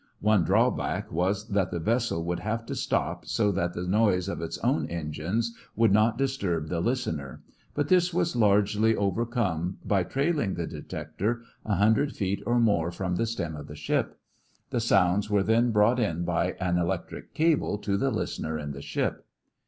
One drawback was that the vessel would have to stop so that the noise of its own engines would not disturb the listener, but this was largely overcome by trailing the detector a hundred feet or more from the stem of the ship. The sounds were then brought in by an electric cable to the listener in the ship.